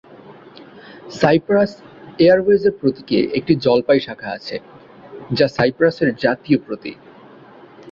Cypress এয়ারওয়েজের প্রতীকে একটি জলপাই শাখা আছে যা সাইপ্রাসের জাতীয় প্রতীক।